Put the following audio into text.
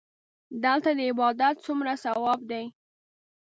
دلته د عبادت څومره ثواب دی.